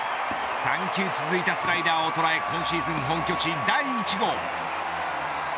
３球続いたスライダーを捉え今シーズン本拠地第１号。